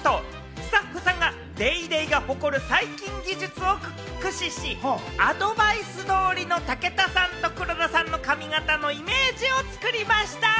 スタッフさんが『ＤａｙＤａｙ．』が誇る最新技術を駆使し、アドバイス通りの武田さんと黒田さんの髪形のイメージを作りました。